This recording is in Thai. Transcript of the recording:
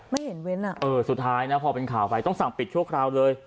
ไม่เห็นเว้นอ่ะเออสุดท้ายนะพอเป็นข่าวไปต้องสั่งปิดชั่วคราวเลย